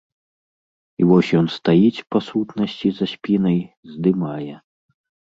І вось ён стаіць, па сутнасці, за спінай, здымае.